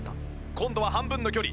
今度は半分の距離。